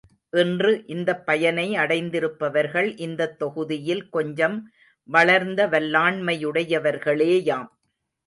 இன்று இந்தப் பயனை அடைந்திருப்பவர்கள் இந்தத் தொகுதியில் கொஞ்சம் வளர்ந்த வல்லாண்மையுடையவர்களேயாம்.